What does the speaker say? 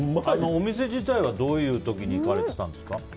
お店自体はどういう時に行かれてたんですか？